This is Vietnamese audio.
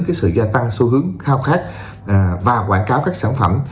có thể dẫn đến sự gia tăng xu hướng khao khát và quảng cáo các sản phẩm